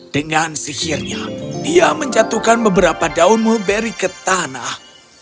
dengan sihirnya dia menjatuhkan beberapa daun mulberry ke tanah